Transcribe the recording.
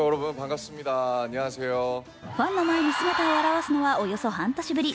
ファンの前に姿を現すのはおよそ半年ぶり。